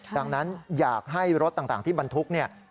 ดังนั้นอยากให้รถต่างที่บรรทุกเนี่ย